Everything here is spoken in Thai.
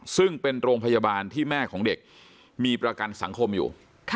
ซึ่งเป็นโรงพยาบาลที่แม่ของเด็กมีประกันสังคมอยู่